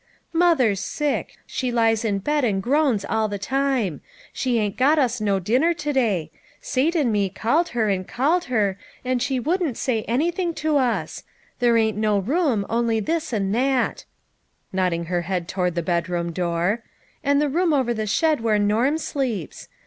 " Mother's sick. She lies in bed and groans all the time. She ain't got us no dinner to day ; Sate and me called her, and called her, and, she 30 LITTLE FISHERS : AND THEIR NETS. wouldn't say anything to us. There ain't no room only this and that," nodding her head toward the bedroom door, " and the room over the shed where Norm sleeps.